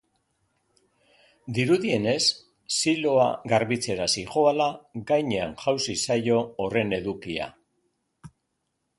Dirudienez, siloa garbitzera zihoala gainean jausi zaio horren edukia.